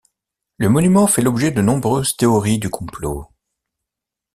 Le monument fait l'objet de nombreuses théories du complot.